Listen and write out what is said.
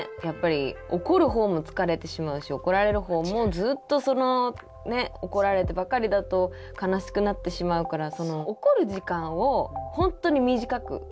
やっぱり怒る方も疲れてしまうし怒られる方もずっとそのね怒られてばかりだと悲しくなってしまうから怒る時間をほんとに短く。